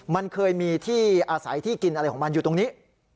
มันเคยมีที่อาศัยที่กินอะไรของมันอยู่ตรงนี้